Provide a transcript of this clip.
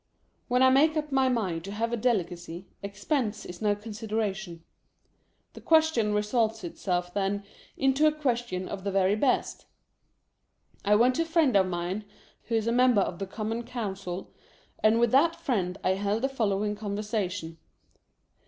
When I make up my mind to have a delicacy, expense is no consideration. The question resolves itself, then, into a question of the very best. I went to a friend of mine who is a Member of the Common Council, and with that friend I held the following conversation.